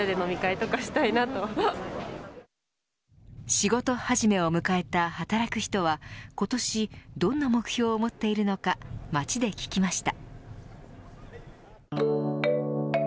仕事始めを迎えた働く人は今年どんな目標を持っているのか街で聞きました。